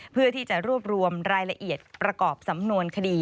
เพื่อที่จะรวบรวมรายละเอียดประกอบสำนวนคดี